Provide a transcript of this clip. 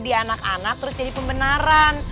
di anak anak terus jadi pembenaran